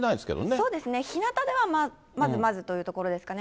そうですね、日なたではまずまずというところですかね。